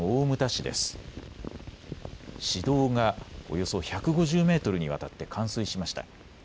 市道がおよそ１５０メートルにわたって冠水しました。